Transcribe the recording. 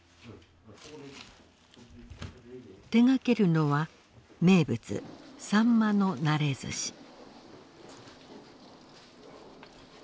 手がけるのは名物さんまのなれ寿司。